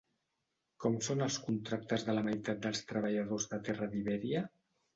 Com són els contractes de la meitat dels treballadors de terra d'Ibèria?